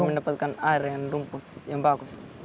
baru mendapatkan air dan rumput yang bagus